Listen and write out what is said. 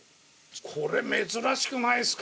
これ珍しくないっすか？